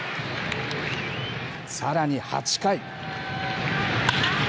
さらに８回。